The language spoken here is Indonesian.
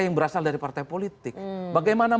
yang berasal dari partai politik bagaimana